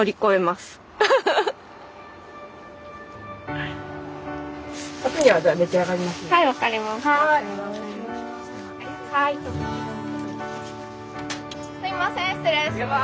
すいません失礼します。